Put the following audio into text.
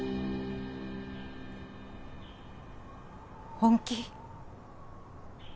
本気？